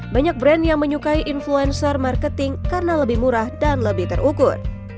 banyak brand yang menyukai influencer marketing karena lebih murah dan lebih terukur